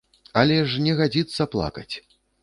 Але ж не гадзіцца плакаць!